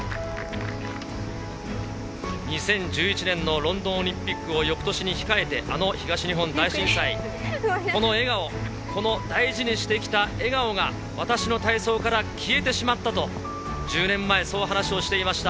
２０１１年のロンドンオリンピックをよくとしに控えて、あの東日本大震災、この笑顔、この大事にしてきた笑顔が、私の体操から消えてしまったと、１０年前、そう話をしていました。